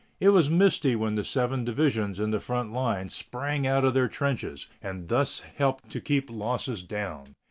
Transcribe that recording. It was misty when the seven divisions in the front line sprang out of their trenches, and this helped to keep losses down.